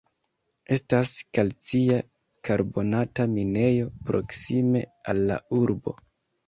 Estas kalcia karbonata minejo proksime al la urbo.